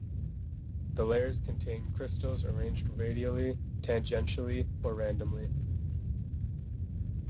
The layers contain crystals arranged radially, tangentially or randomly.